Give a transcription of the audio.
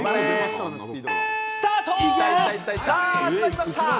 さあ、始まりました。